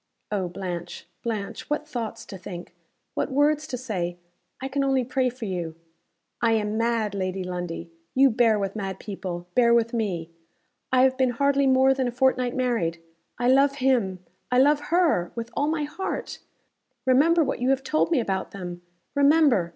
"Oh, Blanche, Blanche, what thoughts to think! what words to say! I can only pray for you." "I am mad, Lady Lundie. You bear with mad people. Bear with me. I have been hardly more than a fortnight married. I love him I love her with all my heart. Remember what you have told me about them. Remember!